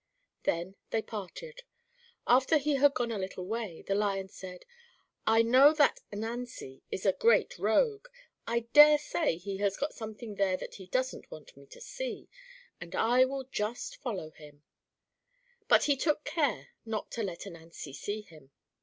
Then they parted. After he had gone a little way, the Lion said: "I know that Ananzi is a great rogue; I dare say he has got something there that he doesn't want me to see, and I will just follow him;" but he took care not to let Ananzi see him.